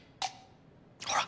ほら。